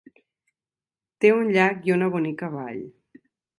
Té un llac i una bonica vall.